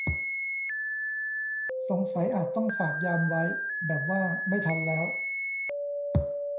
สงสัยอาจต้องฝากยามไว้ แบบว่าไม่ทันแล้ว